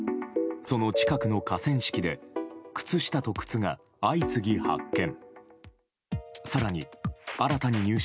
その近くの河川敷で靴下と靴が相次ぎ発見。